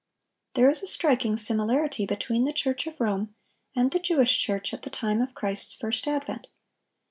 There is a striking similarity between the Church of Rome and the Jewish Church at the time of Christ's first advent.